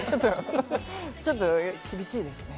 ちょっと厳しいですね。